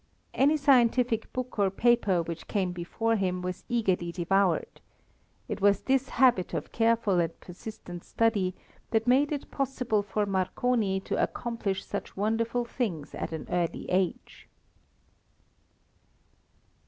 Any scientific book or paper which came before him was eagerly devoured. It was this habit of careful and persistent study that made it possible for Marconi to accomplish such wonderful things at an early age.